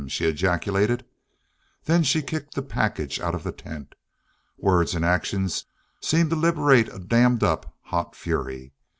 she ejaculated. Then she kicked the package out of the tent. Words and action seemed to liberate a dammed up hot fury.